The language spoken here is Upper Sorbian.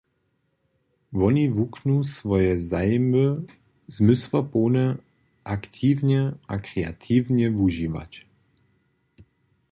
Woni wuknu swoje zajimy zmysłapołnje, aktiwnje a kreatiwnje wužiwać.